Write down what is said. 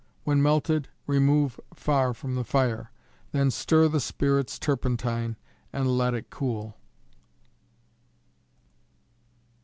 When melted, remove far from the fire, then stir the spirits turpentine, and let it cool.